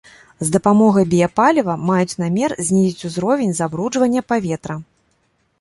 З дапамогай біяпаліва маюць намер знізіць узровень забруджвання паветра.